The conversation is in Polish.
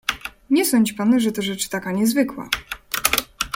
"Nie sądź pan, że to rzecz taka niezwykła."